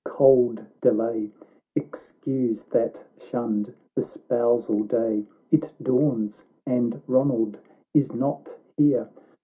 cold delay — Excuse that shunned the spousal day. — It dawns, and Ronald is not here